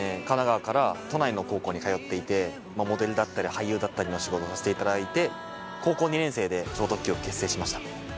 神奈川から都内の高校に通っていてモデルだったり俳優だったりの仕事させていただいて高校２年生で超特急を結成しました。